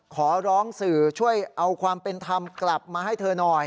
ขอร้องสื่อช่วยเอาความเป็นธรรมกลับมาให้เธอหน่อย